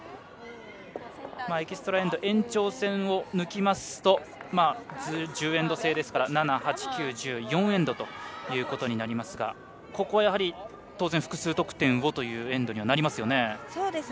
エキストラエンド延長戦を抜きますと１０エンド制ですから７、８、９、１０と４エンドとなりますがここは、やはり当然複数得点をというエンドになりますね。